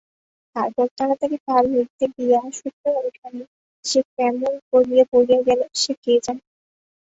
তারপর তাড়াতাড়ি পার হইতে গিয়া শুকনো উঠানে সে কেমন করিয়া পড়িয়া গেল কে জানে!